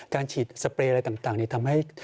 การฉีดสเปรย์อะไรต่างทำให้